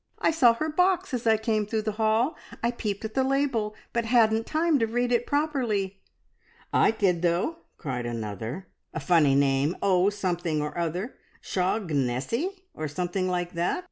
"I saw her box as I came through the hall. I peeped at the label, but hadn't time to read it properly." "I did, though!" cried another. "A funny name O something or other. `Shog nessie,' or something like that.